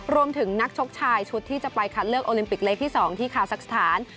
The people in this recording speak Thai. นักชกชายชุดที่จะไปคัดเลือกโอลิมปิกเล็กที่๒ที่คาซักสถาน